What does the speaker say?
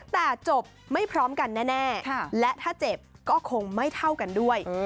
แต่จบไม่พร้อมกันแน่และถ้าเจ็บก็คงไม่เท่ากันด้วย